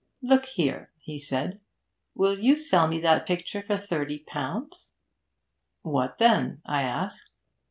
"Look here!" he said, "will you sell me that picture for thirty pounds?" "What then?" I asked.